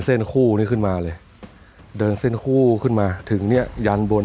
เส้นคู่นี้ขึ้นมาเลยเดินเส้นคู่ขึ้นมาถึงเนี้ยยันบน